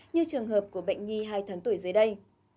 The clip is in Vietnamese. như trường hợp của bệnh nhi hai tháng tuổi dưới đây